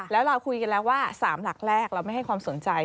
แล้วเราคุยกันแล้วว่า๓หลักแรกเราไม่ให้ความสนใจ